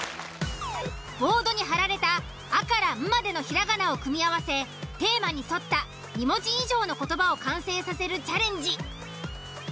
ボードに張られた「あ」から「ん」までのひらがなを組み合わせテーマに沿った２文字以上の言葉を完成させるチャレンジ。